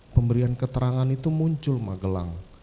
pemberian keterangan itu muncul magelang